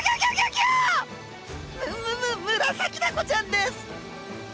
ムムムラサキダコちゃんです！